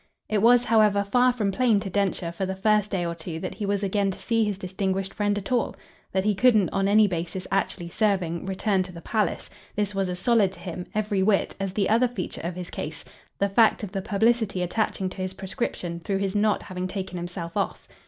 It was, however, far from plain to Densher for the first day or two that he was again to see his distinguished friend at all. That he couldn't, on any basis actually serving, return to the palace this was as solid to him, every whit, as the other feature of his case, the fact of the publicity attaching to his proscription through his not having taken himself off.